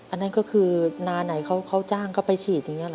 อันนั้นก็คือนาไหนเขาจ้างเขาไปฉีดอย่างนี้หรอ